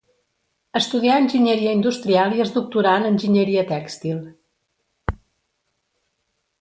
Estudià enginyeria industrial i es doctorà en enginyeria tèxtil.